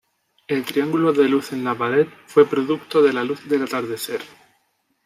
El triángulo de luz en la pared fue producto de la luz del atardecer.